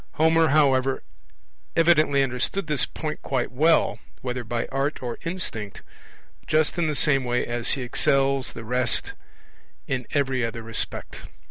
Homer, however, evidently understood this point quite well, whether by art or instinct, just in the same way as he excels the rest in every other respect.